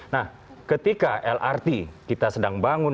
nah ketika lrt kita sedang bangun